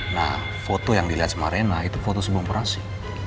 nah foto yang dilihat sama rena itu foto sebelum operasi